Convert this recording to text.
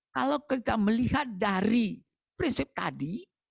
kalau kita melihat dari prinsip tadi